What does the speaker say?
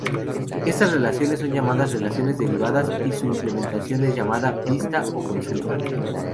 Estas relaciones son llamadas relaciones derivadas y su implementación es llamada "vista" o "consulta".